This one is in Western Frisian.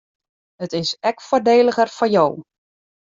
It is ek foardeliger foar jo.